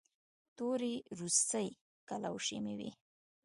تورې روسۍ کلوشې مې وې.